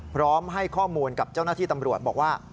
พร้อมให้ข้อมูลกับเจ้าหน้าที่ตำรวจบอกว่า